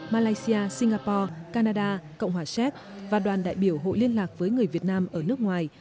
malaysia singapore canada cộng hòa séc và đoàn đại biểu hội liên lạc với người việt nam ở nước ngoài